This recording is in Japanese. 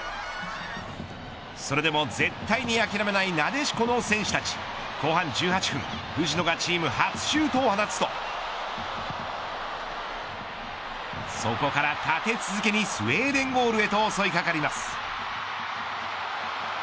それでも絶対に諦めないなでしこの選手たち後半１８分、藤野がチーム初シュートを放つとそこから立て続けにスウェーデンゴールへと襲いかかります。